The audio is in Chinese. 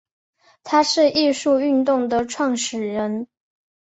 他是艺术运动的始创人。